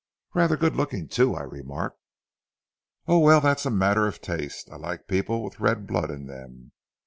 "'Rather good looking too,' I remarked. "'Oh, well, that's a matter of taste. I like people with red blood in them.